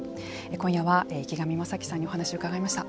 今夜は、池上正樹さんにお話を伺いました。